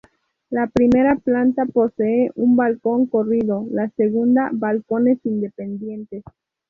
La primera planta posee un balcón corrido, la segunda balcones independientes.